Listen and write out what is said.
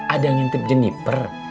ada yang tip jeniper